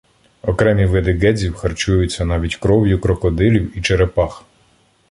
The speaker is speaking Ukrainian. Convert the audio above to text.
Окремі види ґедзів харчуються навіть кров'ю крокодилів і черепах.